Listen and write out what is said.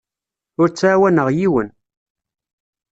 Ur ttɛawaneɣ yiwen.